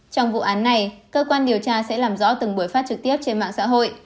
trong vụ án này cơ quan điều tra sẽ làm rõ từng buổi phát trực tiếp trên mạng xã hội